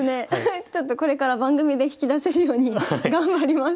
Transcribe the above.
ちょっとこれから番組で引き出せるように頑張ります。